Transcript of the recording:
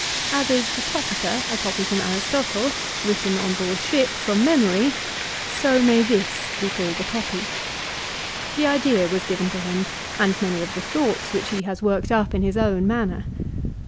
As is the "Topica" a copy from Aristotle, written on board ship from memory, so may this be called a copy. The idea was given to him, and many of the thoughts which he has worked up CICERO'S MORAL ESSAYS. 377 in Ins own manner.